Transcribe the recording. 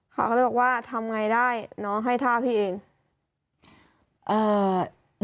เขาก็เลยบอกว่าทำไงได้น้องให้ท่าพี่เอง